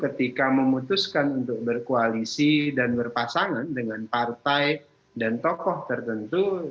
ketika memutuskan untuk berkoalisi dan berpasangan dengan partai dan tokoh tertentu